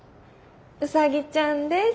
うさぎちゃんです。